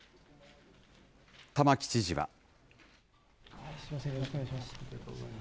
玉城知事は。